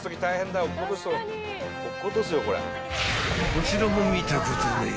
［こちらも見たことねえ］